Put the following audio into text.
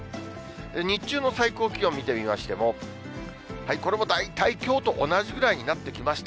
日中の最高気温見てみましても、これも大体きょうと同じぐらいになってきました。